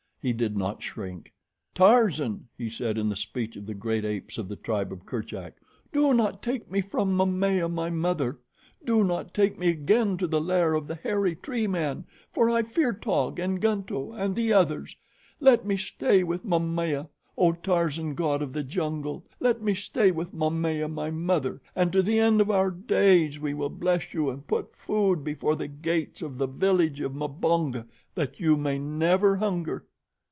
He did not shrink. "Tarzan," he said, in the speech of the great apes of the tribe of Kerchak, "do not take me from Momaya, my mother. Do not take me again to the lair of the hairy, tree men, for I fear Taug and Gunto and the others. Let me stay with Momaya, O Tarzan, God of the Jungle! Let me stay with Momaya, my mother, and to the end of our days we will bless you and put food before the gates of the village of Mbonga that you may never hunger."